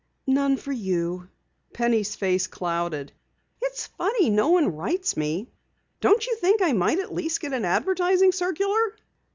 "None for you." Penny's face clouded. "It's funny no one writes me. Don't you think I might at least get an advertising circular?"